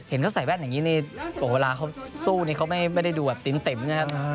เห็นเขาใส่แบบนี้นี่โอ้เวลาเขาสู้นี่เขาไม่ได้ดูแบบติ้มเต็มนะครับ